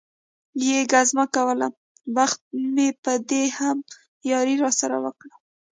یې ګزمه کول، بخت مې په دې هم یاري را سره وکړل.